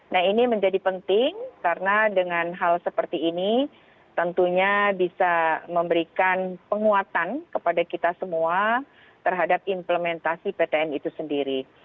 nah ini menjadi penting karena dengan hal seperti ini tentunya bisa memberikan penguatan kepada kita semua terhadap implementasi ptn itu sendiri